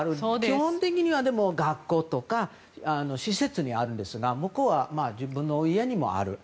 基本的には学校とか施設にあるんですが向こうは自分の家にもある。